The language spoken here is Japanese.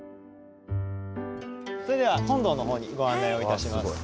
それでは本堂の方にご案内を致します。